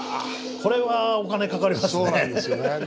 これはお金かかりますね。